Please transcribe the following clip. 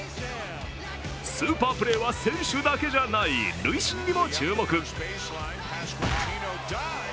スーパープレーは選手だけじゃない、塁審にも注目。